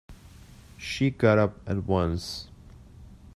She got up at once.